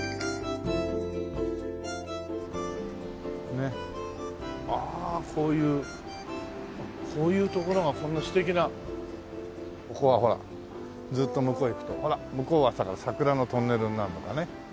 ねっああこういうこういう所がこんな素敵なここはほらずっと向こうへ行くとほら向こうは桜のトンネルになるのかね。